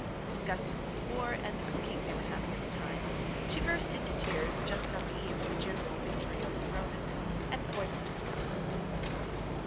Disgusted with war and the cooking they were having at the time, she burst into tears just on the eve of a general victory over the Romans and poisoned herself.